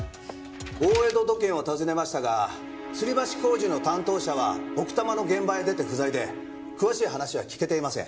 大江戸土建を訪ねましたがつり橋工事の担当者は奥多摩の現場へ出て不在で詳しい話は聞けていません。